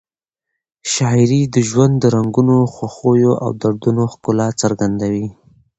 شاعري د ژوند د رنګونو، خوښیو او دردونو ښکلا څرګندوي.